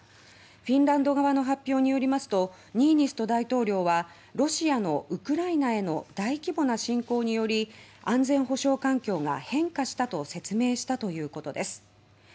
フィンランド側の発表によりますとニーニスト大統領はロシアのウクライナへの大規模な侵攻により安全保障環境が変化したと説明したということです。